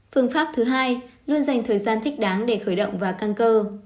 phương pháp thứ hai luôn dành thời gian thích đáng để khởi động và căng cơ